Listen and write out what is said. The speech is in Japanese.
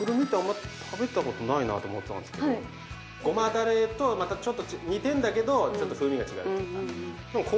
くるみって、あんまり食べたことないなと思ってたんですけど、ごまだれと、またちょっと、似てんだけど、ちょっと風味が違う。